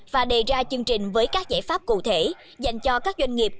và đề ra chương trình với các giải pháp cụ thể dành cho các doanh nghiệp